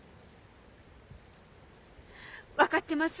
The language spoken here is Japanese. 分かってます。